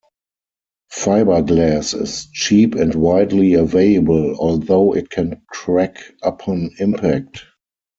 Fiberglass is cheap and widely available, although it can crack upon impact.